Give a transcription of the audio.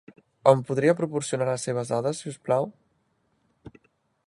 Em podria proporcionar les seves dades, si us plau?